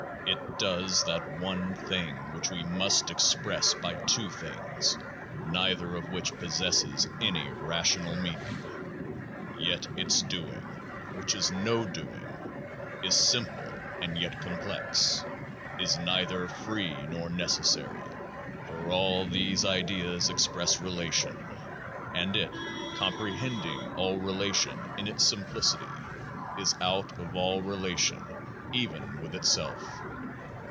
IT does THAT one thing which we must express by two things neither of which possesses any rational meaning. Yet ITS doing, which is no doing, is simple and yet complex, is neither free nor necessary. For all these ideas express Relation ; and IT, comprehending all Relation in ITS sim plicity, is out of all Relation even with ITSELF.